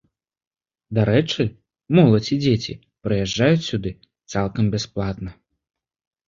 Дарэчы, моладзь і дзеці прыязджаюць сюды цалкам бясплатна.